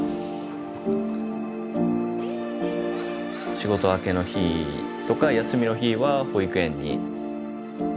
仕事明けの日とか休みの日は保育園に。